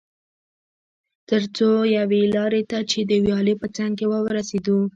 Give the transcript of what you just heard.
تر څو یوې لارې ته چې د ویالې په څنګ کې وه ورسېدو.